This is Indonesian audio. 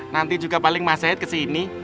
nanti juga paling mas sahid ke sini